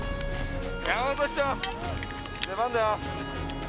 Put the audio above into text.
山本士長、出番だよ。